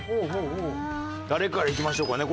誰からいきましょうかね。